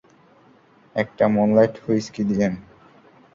একটা moonlight whisky দিয়েন।